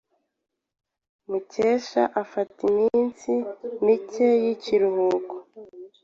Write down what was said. Mukesha afata iminsi mike y'ikiruhuko.